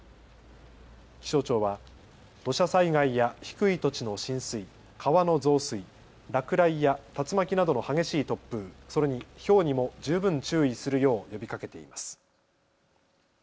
気象庁は土砂災害や低い土地の浸水、川の増水、落雷や竜巻などの激しい突風、それにひょうにも十分注意するよう呼びかけています。